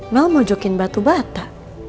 mel mojokin batu bata